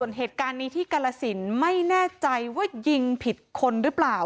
ส่วนเหตุการณ์นี้ที่กรสินไม่แน่ใจว่ายิงผิดคนหรือเปล่า